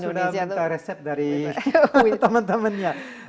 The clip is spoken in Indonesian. saya sudah minta resep dari teman teman ya